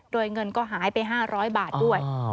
โดยเงินก็หายไป๕๐๐บาทด้วย